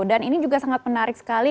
dan ini juga sangat menarik sekali